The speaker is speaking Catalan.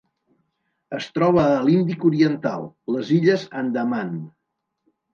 Es troba a l'Índic oriental: les illes Andaman.